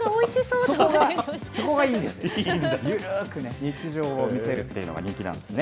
緩くね、日常を見せるっていうのが人気なんですね。